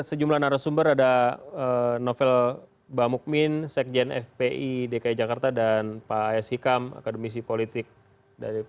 selamat malam pak awi